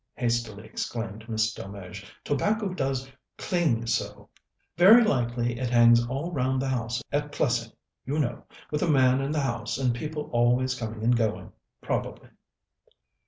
hastily exclaimed Miss Delmege. "Tobacco does cling so. Very likely it hangs all round the house at Plessing, you know, with a man in the house and people always coming and going, probably."